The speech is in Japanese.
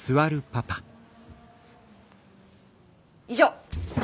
以上。